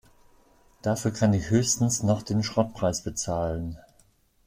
Dafür kann ich höchstens noch den Schrottpreis bezahlen.